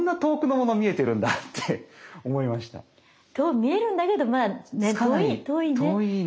見えるんだけどまあ遠い遠いね。